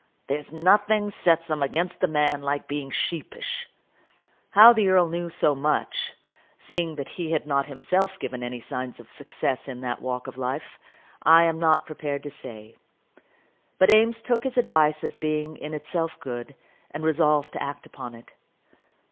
There's nothing sets 'em against a man like being sheepish." How the earl knew so much, seeing that he had not himself given signs of any success in that walk of life, I am not prepared to say. But Eames took his advice as being in itself good, and resolved to act upon it.